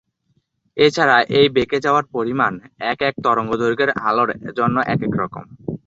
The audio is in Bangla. এছাড়া এই বেঁকে যাওয়ার পরিমাণ এক এক তরঙ্গদৈর্ঘ্যের আলোর জন্য এক এক রকম।